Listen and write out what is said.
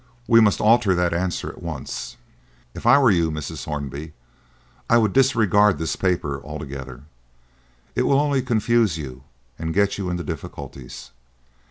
We must alter that answer at once." "If I were you, Mrs. Hornby," I said, "I would disregard this paper altogether. It will only confuse you and get you into difficulties.